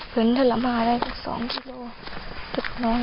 ผลทะละมาได้ถึง๒กิโลกรัม